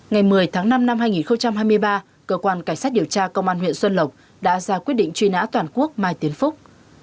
ngày một mươi tháng năm năm hai nghìn hai mươi ba cơ quan cảnh sát điều tra công an huyện xuân lộc đã ra quyết định truy nã toàn quốc mai tiến phúc